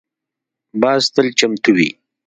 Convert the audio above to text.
باز تل چمتو وي